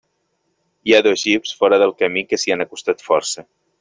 Hi ha dos jeeps fora del camí que s'hi han acostat força.